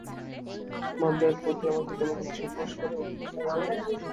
তোমাদের প্রতি আমার কৃতজ্ঞতা ভাষায় প্রকাশ করিয়া উঠিতে পারি না।